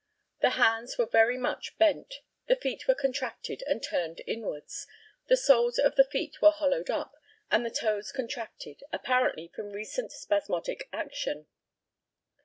The hands were very much bent. The feet were contracted, and turned inwards. The soles of the feet were hollowed up, and the toes contracted, apparently from recent spasmodic action.